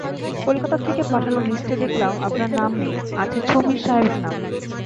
কলকাতা থেকে পাঠানো লিস্টে দেখলাম আপনার নাম নেই, আছে ছমির সাহেবের নাম।